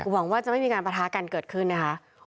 หวังว่าจะไม่มีการประทะกันเกิดขึ้นนะคะ